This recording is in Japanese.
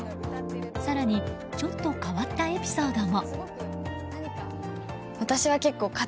更にちょっと変わったエピソードも。